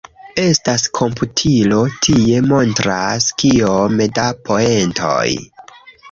Estas komputilo tie montras kiom da poentoj.